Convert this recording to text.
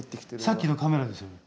さっきのカメラですよね。